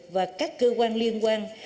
và các cơ quan liên quan